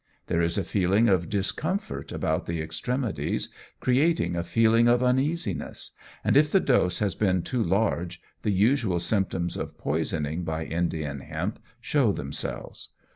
There is a feeling of discomfort about the extremities, creating a feeling of uneasiness, and if the dose has been too large the usual symptoms of poisoning by Indian hemp show themselves.